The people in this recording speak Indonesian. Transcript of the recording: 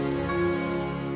umi yang berharga